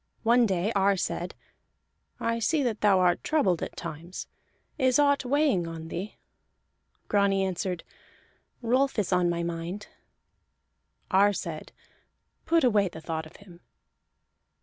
One day Ar said: "I see that thou art troubled at times. Is aught weighing on thee?" Grani answered: "Rolf is on my mind." Ar said: "Put away the thought of him."